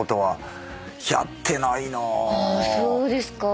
あそうですか。